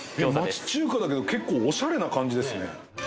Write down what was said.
町中華だけど結構おしゃれな感じですね